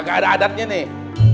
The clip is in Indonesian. gak ada adatnya nih